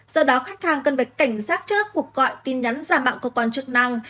do đó khách hàng cần phải cảnh giác trước cuộc gọi tin nhắn giảm bạo cơ quan chức năng